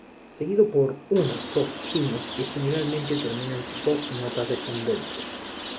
Seguido por uno dos trinos que generalmente terminan dos nota descendentes.